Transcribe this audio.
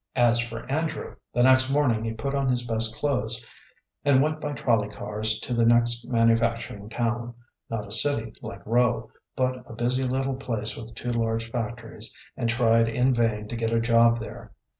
As for Andrew, the next morning he put on his best clothes and went by trolley cars to the next manufacturing town, not a city like Rowe, but a busy little place with two large factories, and tried in vain to get a job there.